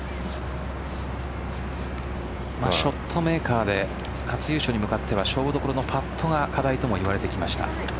ショットメーカーで初優勝に向かっては勝負どころのパットが課題ともいわれてきました。